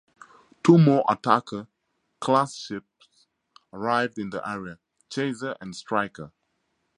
Two more "Attacker"-class ships arrived in the area, "Chaser" and "Striker".